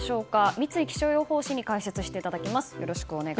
三井気象予報士に解説していただきます。